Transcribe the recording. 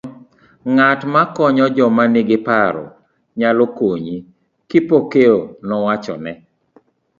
Ng'at makonyo joma ni gi paro nyalo konyi, Kipokeo nowachone, .